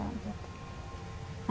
ibu kan anak ibu udah enggak ada